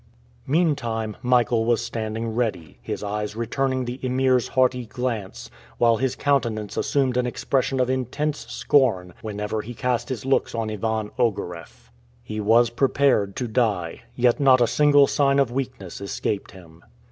Meantime, Michael was standing ready, his eyes returning the Emir's haughty glance, while his countenance assumed an expression of intense scorn whenever he cast his looks on Ivan Ogareff. He was prepared to die, yet not a single sign of weakness escaped him.